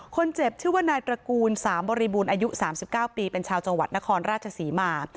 ชื่อว่านายตระกูลสามบริบูรณ์อายุ๓๙ปีเป็นชาวจังหวัดนครราชศรีมา